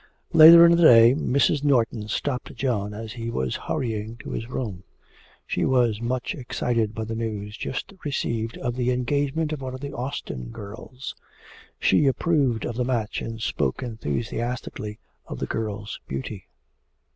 Later in the day Mrs. Norton stopped John as he was hurrying to his room. She was much excited by the news just received of the engagement of one of the Austin girls. She approved of the match, and spoke enthusiastically of the girl's beauty.